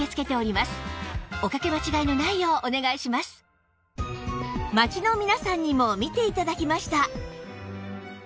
さらに街の皆さんにも見て頂きました